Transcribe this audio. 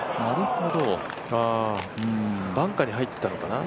バンカーに入ったのかな？